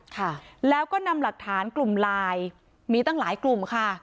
ค่ะแล้วก็นำหลักฐานกลุ่มไลน์มีตั้งหลายกลุ่มค่ะ